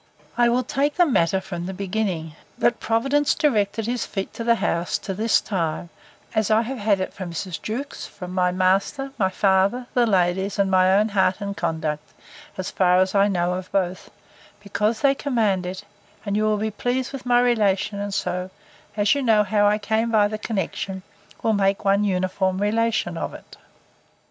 I will take the matter from the beginning, that Providence directed his feet to this house, to this time, as I have had it from Mrs. Jewkes, from my master, my father, the ladies, and my own heart and conduct, as far as I know of both; because they command it, and you will be pleased with my relation and so, as you know how I came by the connexion, will make one uniform relation of it.